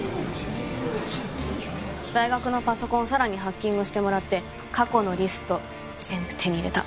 大学のパソコンを四朗にハッキングしてもらって過去のリスト全部手に入れた。